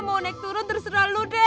mau naik turun terserah lu deh